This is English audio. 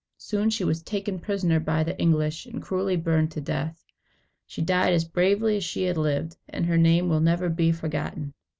Soon, she was taken prisoner by the English, and cruelly burned to death. She died as bravely as she had lived, and her name will never be forgotten.